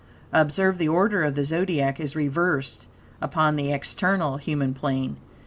Observe, the order of the Zodiac is reversed upon the external human plane.